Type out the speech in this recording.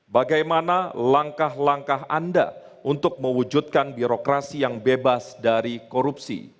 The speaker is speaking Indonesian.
bagaimana langkah langkah anda untuk mewujudkan birokrasi yang bebas dari korupsi